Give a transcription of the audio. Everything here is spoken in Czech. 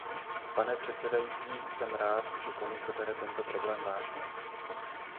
Pane předsedající, jsem rád, že Komise bere tento problém vážně.